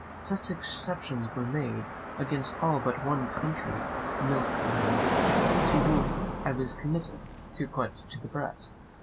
Such exceptions were made against all but one country milch wench, to whom I was committed, and put to the breast.